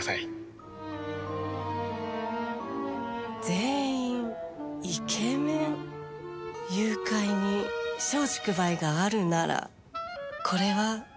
全員イケメン誘拐に松竹梅があるならこれは松ね